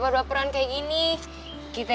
di rumah sakit